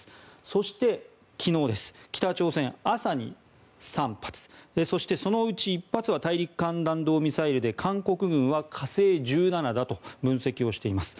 そして、昨日北朝鮮、朝に３発そして、そのうち１発は大陸間弾道ミサイルで韓国軍は火星１７だと分析をしています。